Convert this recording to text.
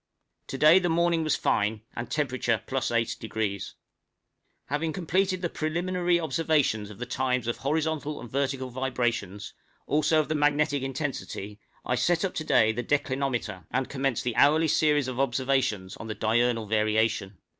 To day the morning was fine, and temperature +8°. Having completed the preliminary observations of the times of horizontal and vertical vibrations, also of the magnetic intensity, I set up to day the declinometer, and commenced the hourly series of observations on the diurnal variation.